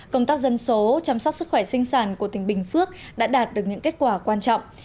công tác dân số chăm sóc sức khỏe sinh sản của tỉnh bình phước đã đạt được những kết quả quan trọng